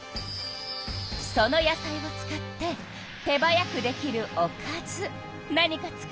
その野菜を使って手早くできるおかず何か作って。